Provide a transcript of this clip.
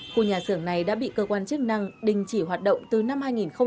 khu nhà xưởng này đã bị cơ quan chức năng đình chỉ hoạt động từ năm hai nghìn một mươi